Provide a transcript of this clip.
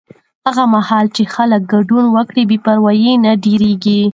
هغه مهال چې خلک ګډون وکړي، بې پروایي نه ډېریږي.